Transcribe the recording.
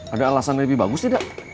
ada alasan lebih bagus tidak